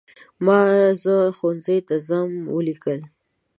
ما "زه ښوونځي ته ځم" ولیکل.